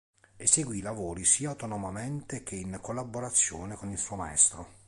Eseguì lavori sia autonomamente che in collaborazione con il suo maestro.